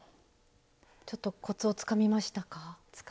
ちょっとコツをつかみましたか？